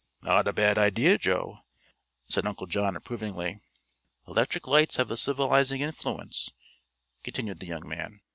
"Not a bad idea, Joe," said Uncle John approvingly. "Electric lights have a civilizing influence," continued the young man.